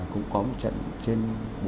cũng có một trận trên bốn một